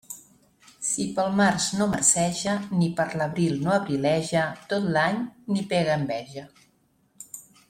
Si pel març no marceja ni per l'abril no abrileja, tot l'any n'hi pega enveja.